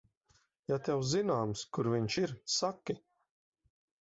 Ja tev zināms, kur viņš ir, saki.